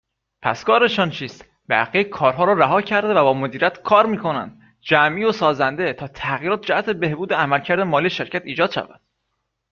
پس کارشان چیست؟ بقیه کارها را رها کرده و با مدیریت کار میکنند، جمعی و سازنده، تا تغییرات جهت بهبود عملکرد مالی شرکت ایجاد شود